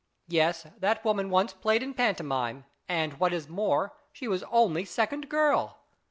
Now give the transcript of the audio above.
Yes, that woman once played in pantomime ; and, what is more, she was only second girl.